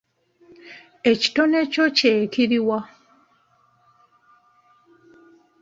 Ekitone kyo kye kiruwa?